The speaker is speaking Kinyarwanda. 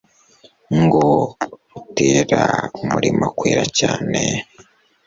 ngo rutera umurima kwera cyane